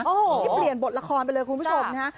นี่เปลี่ยนบทละครไปเลยคุณผู้ชมนะฮะ